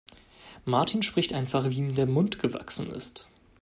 Martin spricht einfach, wie ihm der Mund gewachsen ist.